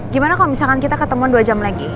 gimana kalau misalkan kita ketemuan dua jam lagi